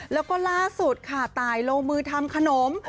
แล้วก็ล่าสุดค่ะตายลงมือทำขนม